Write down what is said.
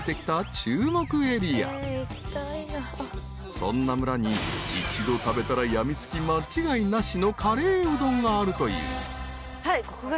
［そんな村に一度食べたら病みつき間違いなしのカレーうどんがあるという］